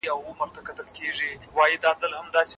د موټرو فرسایش مخکي محاسبه نه سو.